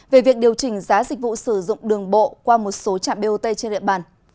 về việc điều chỉnh giá dịch vụ sử dụng đường bộ qua một số trạm bot trên địa bàn